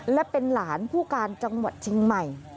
และเป็นหลานผู้การจังหวัดเชียงใหม่